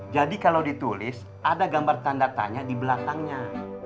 jadi kalau ditulis ada gambar tanda tanya di belakangnya